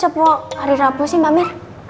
sepuluh hari rabu sih mbak mir